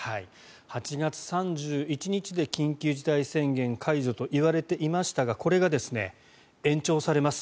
８月３１日で緊急事態宣言解除といわれていましたがこれが延長されます。